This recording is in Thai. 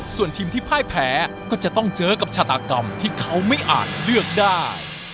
ส่วนทีมที่พ่ายแพ้ก็จะต้องเจอกับชาตากรรมที่เขาไม่อาจเลือกได้